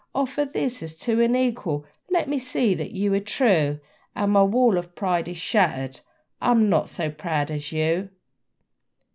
Offer this as to an equal let me see that you are true, And my wall of pride is shattered: I am not so proud as you!